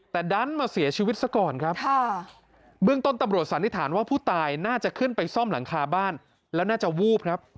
แต่ดันมาเสียชีวิตซะก่อนครับเบื้องต้นตำรวจสันนิษฐานว่าผู้ตายน่าจะขึ้นไปซ่อมหลังคาบ้านแล้วน่าจะวูบครับ